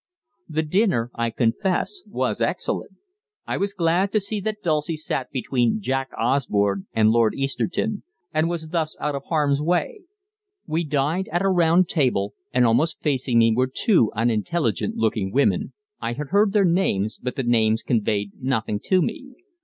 The dinner, I confess, was excellent. I was glad to see that Dulcie sat between Jack Osborne and Lord Easterton, and was thus out of harm's way. We dined at a round table, and almost facing me were two unintelligent looking women I had heard their names, but the names conveyed nothing to me.